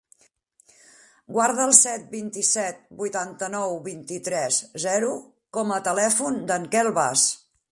Guarda el set, vint-i-set, vuitanta-nou, vint-i-tres, zero com a telèfon del Quel Bas.